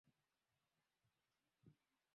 Ana imani atafanikiwa